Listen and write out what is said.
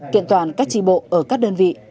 kiện toàn các trị bộ ở các đơn vị